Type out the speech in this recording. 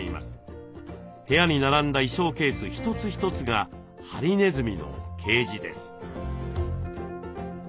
部屋に並んだ衣装ケース一つ一つがハリネズミのケージです。